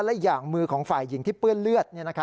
และอย่างมือของฝ่ายหญิงที่เปื้อนเลือด